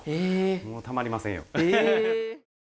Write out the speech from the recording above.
もうたまりませんよ。